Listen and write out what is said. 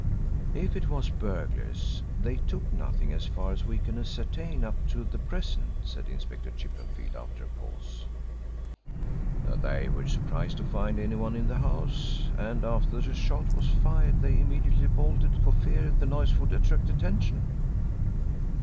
"If it was burglars they took nothing as far as we can ascertain up to the present," said Inspector Chippenfield after a pause. "They were surprised to find anyone in the house. And after the shot was fired they immediately bolted for fear the noise would attract attention."